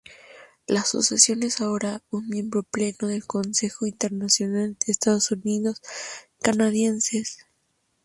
La Asociación es ahora un miembro pleno del Consejo Internacional de Estudios Canadienses.